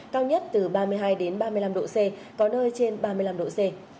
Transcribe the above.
cao nhất từ ba mươi hai ba mươi năm độ c có nơi trên ba mươi năm độ c